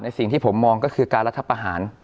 สิ่งที่ผมมองก็คือการรัฐประหาร